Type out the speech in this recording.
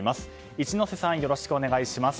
一之瀬さんよろしくお願いします。